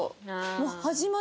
もう。